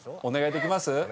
お願いできます？